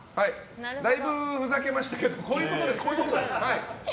だいぶふざけましたけどこういうことですね。